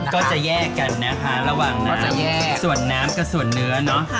ก็จะแยกกันนะคะระหว่างนั้นส่วนน้ำกับส่วนเนื้อเนอะ